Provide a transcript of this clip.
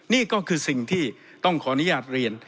นี่ก็คือสิ่งที่ต้องขออนุญาตเรียน